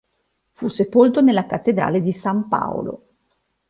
Fu sepolto nella cattedrale di San Paolo.